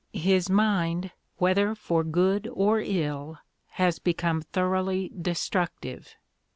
His mind, whether for good or ill, has become thoroughly destruc tive.